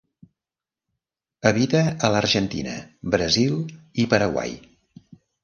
Habita a l'Argentina, Brasil i Paraguai.